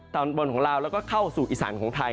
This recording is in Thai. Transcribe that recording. ตอนบนของลาวแล้วก็เข้าสู่อีสานของไทย